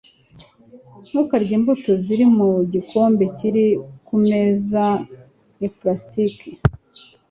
ntukarye imbuto ziri mu gikombe kiri kumeza ni plastiki